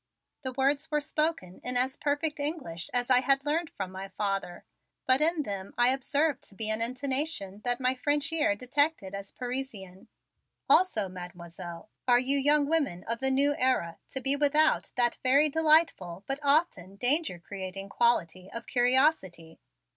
The words were spoken in as perfect English as I had learned from my father, but in them I observed to be an intonation that my French ear detected as Parisian. "Also, Mademoiselle, are you young women of the new era to be without that very delightful but often danger creating quality of curiosity?"